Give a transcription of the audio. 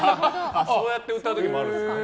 そうやって歌う時もあるんですか。